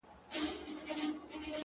وهر يو رگ ته يې د ميني کليمه وښايه ـ